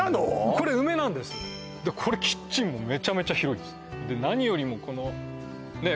これ梅なんですこれキッチンもめちゃめちゃ広いですで何よりもこのねえ